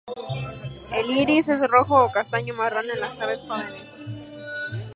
El iris es rojo o castaño, marrón en las aves jóvenes.